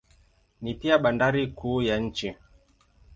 Ni pia bandari kuu ya nchi.